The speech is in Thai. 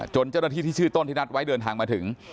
เจ้าหน้าที่ที่ชื่อต้นที่นัดไว้เดินทางมาถึง